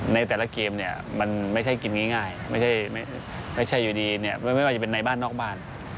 ในแต่ละเกมเนี่ยมันไม่ใช่กินง่ายไม่ใช่อยู่ดีเนี่ยไม่ว่าจะเป็นในบ้านนอกบ้าน